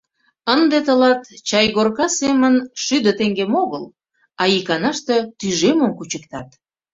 Ынде тылат чайгорка семын шӱдӧ теҥгем огыл, а иканаште тӱжемым кучыктат.